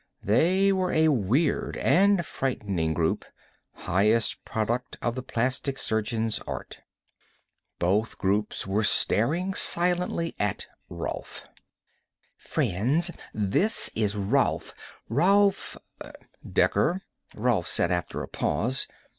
They were a weird and frightening group, highest product of the plastic surgeon's art. Both groups were staring silently at Rolf. "Friends, this is Rolf Rolf " "Dekker," Rolf said after a pause.